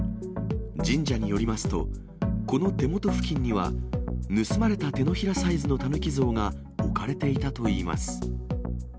神社によりますと、この手元付近には、盗まれた手のひらサイズのタヌキ像が置かれていたといいます。